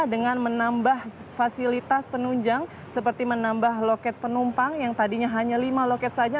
dengan menambah fasilitas penunjang seperti menambah loket penumpang yang tadinya hanya lima loket saja